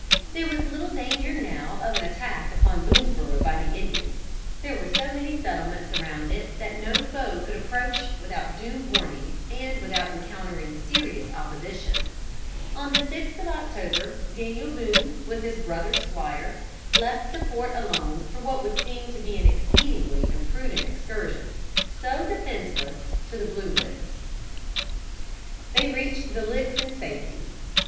There was little danger now of an attack upon Boonesborough by the Indians. There were so many settlements around it that no foe could approach without due warning and without encountering serious opposition. On the sixth of October Daniel Boone, with his brother Squire, left the fort alone for what would seem to be an exceedingly imprudent excursion, so defenceless, to the Blue Licks. They reached the Licks in safety.